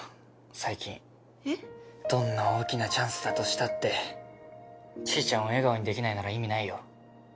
最近。え？どんな大きなチャンスだとしたってちーちゃんを笑顔にできないなら意味ないよ。